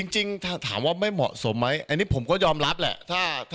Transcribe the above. จริงถ้าถามว่าไม่เหมาะสมไหมอันนี้ผมก็ยอมรับแหละ